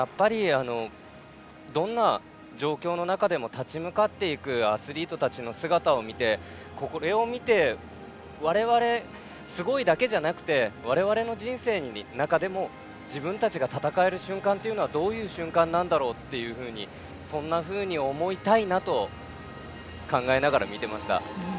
どんな状況の中でも立ち向かっていくアスリートたちの姿を見てこれを見て、我々もすごいだけじゃなくて我々の人生の中でも自分たちが戦える瞬間というのはどういう瞬間なんだろうとそんなふうに思いたいなと考えながら見ていました。